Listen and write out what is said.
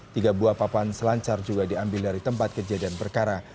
tiga buah papan selancar juga diambil dari tempat kejadian perkara